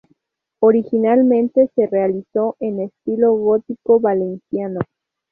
Originalmente se realizó en estilo gótico valenciano.